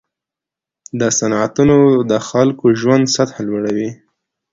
دا صنعتونه د خلکو د ژوند سطحه لوړوي.